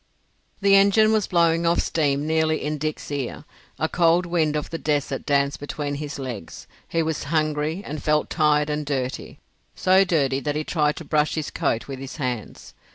The engine was blowing off steam nearly in Dick's ear; a cold wind of the desert danced between his legs; he was hungry, and felt tired and dirty—so dirty that he tried to brush his coat with his hands.